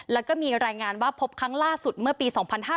แล้วก็มีรายงานว่าพบครั้งล่าสุดเมื่อปี๒๕๕๙